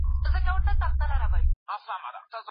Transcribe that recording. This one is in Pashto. زه له خپلې مورنۍ ژبې سره ډېره مینه لرم.